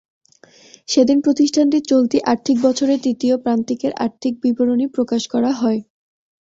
সেদিন প্রতিষ্ঠানটির চলতি আর্থিক বছরের তৃতীয় প্রান্তিকের আর্থিক বিবরণী প্রকাশ করা হয়।